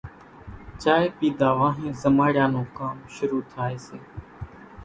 چائيَ پيڌا وانۿين زماڙِيا نون ڪام شرُو ٿائيَ سي۔